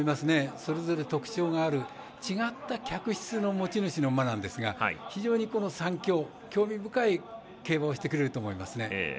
それぞれ特徴がある違った脚質の持ち主の馬なんですが非常に３強、興味深い競馬をしてくれると思います。